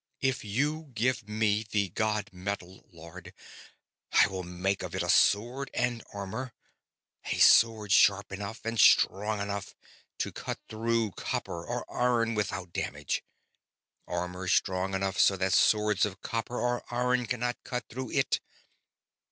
"If you give me the god metal, Lord, I will make of it a sword and armor a sword sharp enough and strong enough to cut through copper or iron without damage; armor strong enough so that swords of copper or iron cannot cut through it.